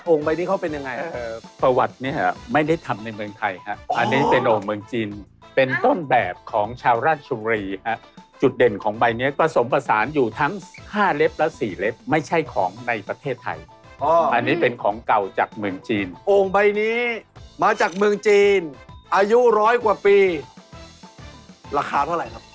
โอ่งใบนี้มาจากเมืองจีนอายุร้อยกว่าปีราคาเท่าไรครับ